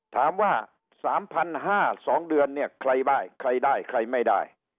ถามว่า๓๕๐๐๒เดือนเนี่ยใครได้ใครได้ใครไม่ได้